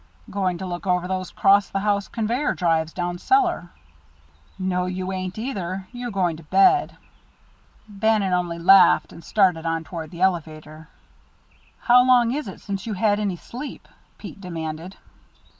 "Going to look over those 'cross the house conveyor drives down cellar." "No, you ain't either. You're going to bed." Bannon only laughed and started on toward the elevator. "How long is it since you had any sleep?" Pete demanded.